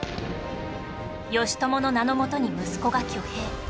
義朝の名の下に息子が挙兵